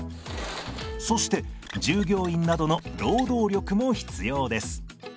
そして従業員などの労働力も必要です。